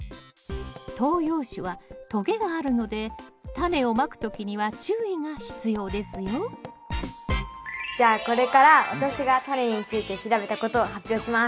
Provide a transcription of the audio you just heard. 東洋種はとげがあるのでタネをまく時には注意が必要ですよじゃあこれから私がタネについて調べたことを発表します。